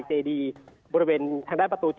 เจดีบริเวณทางด้านประตู๗